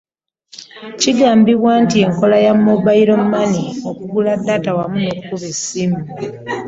Kigambibwa nti enkola ya Mobile Money, okugula data wamu n'okukuba essimu